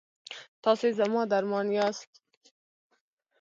تاسې زما درمان یاست؟